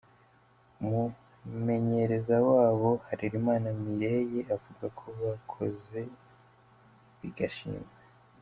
Umumenyereza wabo Harerimana Mireille avuga ko bakoze bigashimwa.